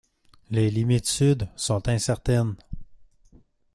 Les limites sud sont incertaines.